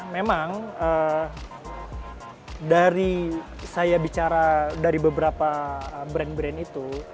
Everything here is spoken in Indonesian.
memang dari saya bicara dari beberapa brand brand itu